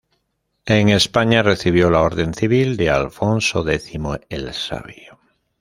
En España recibió la Orden Civil de Alfonso X el Sabio.